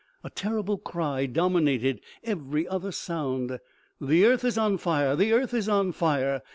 A terrible cry dominated every other sound. The earth is on fire ! The earth is on fire